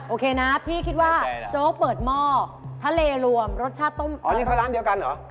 โอเคนะพี่คิดว่าโจ๊กเปิดหม้อทะเลรวมรสชาติต้มอ๋อนี่เขาร้านเดียวกันเหรอ